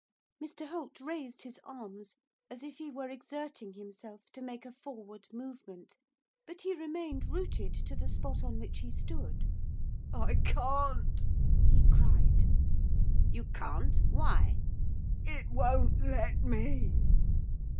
Mr Holt raised his arms, as if he were exerting himself to make a forward movement, but he remained rooted to the spot on which he stood. 'I can't!' he cried. 'You can't! Why?' 'It won't let me.